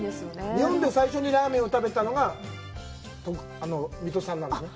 日本で最初にラーメンを食べたのが水戸さんなんですよね。